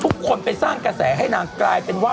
คนไปสร้างกระแสให้นางกลายเป็นว่า